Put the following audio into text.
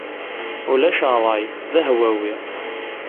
Ulac ṛṛay d ahwawi.